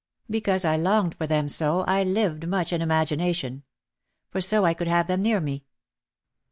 Because I longed for them so I lived much in imagination. For so I could have them near me.